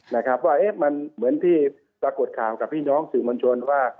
เพราะเหมือนที่ปรากฏข่าวกับพี่น้องซืมวัญชลว่า